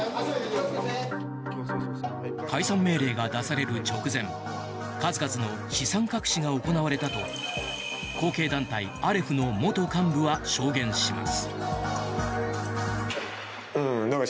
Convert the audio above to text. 解散命令が出される直前数々の資産隠しが行われたと後継団体アレフの元幹部は証言します。